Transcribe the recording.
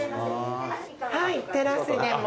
はいテラスでも。